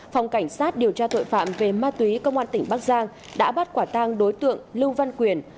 phòng cảnh sát điều tra tội phạm về ma túy công an tỉnh bắc giang đã bắt quả tang đối tượng lưu văn quyền